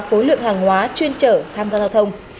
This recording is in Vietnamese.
khối lượng hàng hóa chuyên trở tham gia giao thông